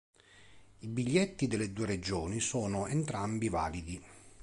I biglietti delle due regioni sono entrambi validi.